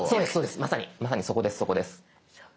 まさにまさにそこですそこです。